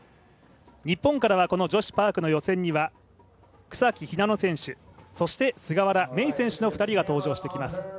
日本からは女子パークの予選には草木ひなの選手、そして菅原芽衣選手の２人が登場してきます。